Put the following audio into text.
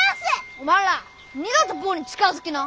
おまんら二度と坊に近づきな！